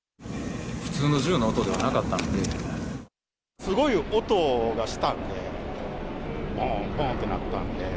普通の銃の音ではなかったんすごい音がしたんで、どんどんって鳴ったんで。